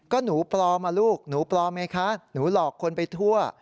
ก็หนูปลอมอ่ะลูกหนูปลอมไงคะหนูหลอกคนไปทั่ว